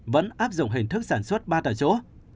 vẫn áp dụng hình thức sản xuất ba tại chỗ